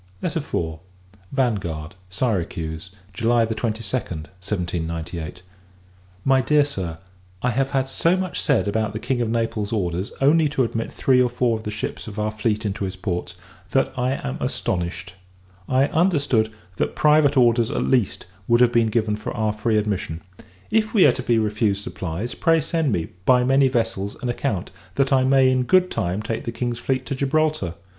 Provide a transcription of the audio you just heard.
IV. Vanguard, Syracuse, July 22d, 1798. MY DEAR SIR, I have had so much said about the King of Naples's orders only to admit three or four of the ships of our fleet into his ports, that I am astonished! I understood, that private orders, at least, would have been given for our free admission. If we are to be refused supplies, pray send me, by many vessels, an account, that I may in good time take the King's fleet to Gibraltar.